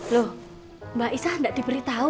loh mbak isah gak diberitahu